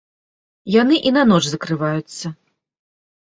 Яны і на ноч закрываюцца.